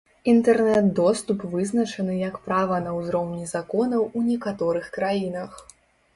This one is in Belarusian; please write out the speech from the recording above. Інтэрнэт доступ вызначаны як права на ўзроўні законаў у некаторых краінах.